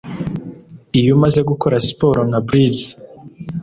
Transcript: iyo umaze gukora siporo nka bridges,